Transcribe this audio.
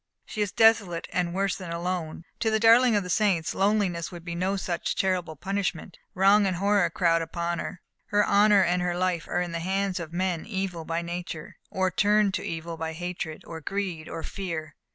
She is desolate, and worse than alone; to the darling of the saints, loneliness would be no such terrible punishment. Wrong and horror crowd upon her. Her honour and her life are in the hands of men evil by nature, or turned to evil by hatred, or greed, or fear.